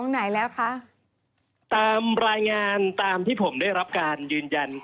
ไหนแล้วคะตามรายงานตามที่ผมได้รับการยืนยัน